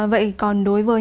vậy còn đối với